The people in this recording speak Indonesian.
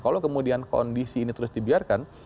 kalau kemudian kondisi ini terus dibiarkan